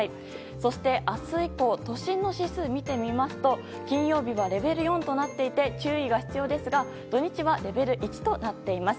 そして、明日以降都心の指数を見てみますと金曜日はレベル４となっていて注意が必要ですが土日はレベル１となっています。